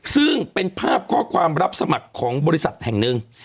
ซึ่งเป็นภาพข้อความรับสมัครของบริษัทแห่งหนึ่ง